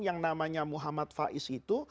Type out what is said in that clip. yang namanya muhammad faiz itu